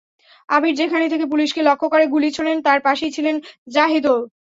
আবির যেখান থেকে পুলিশকে লক্ষ্য করে গুলি ছোড়েন, তার পাশেই ছিলেন জাহিদুল।